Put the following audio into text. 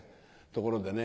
ところでね